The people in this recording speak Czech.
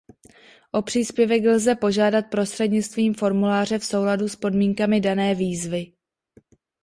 O příspěvek lze požádat prostřednictvím formuláře v souladu s podmínkami dané výzvy.